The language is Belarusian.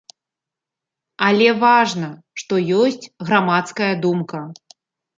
Але важна, што ёсць грамадская думка.